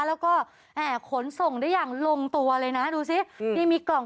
แล้วก็